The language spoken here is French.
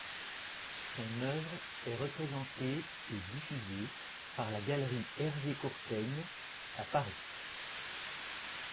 Son oeuvre est représentée et diffusée par la Galerie Hervé Courtaigne à Paris.